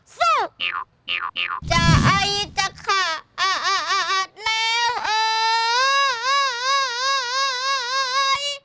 สู้ใจจะขาดแล้ว